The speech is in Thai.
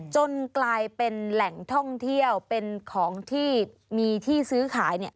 จนกลายเป็นแหล่งท่องเที่ยวเป็นของที่มีที่ซื้อขายเนี่ย